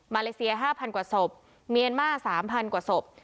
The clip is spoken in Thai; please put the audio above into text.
มาเลเซียห้าพันกว่าศพเมียนมาร์สามพันกว่าศพ